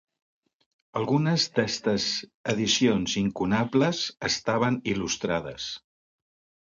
Algunes d'estes edicions incunables estaven il·lustrades.